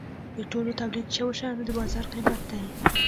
د ټولو تولید شوو شیانو د بازار قیمت دی.